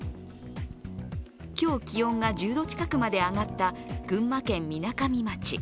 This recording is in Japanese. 今日、気温が１０度近くまで上がった群馬県みなかみ町。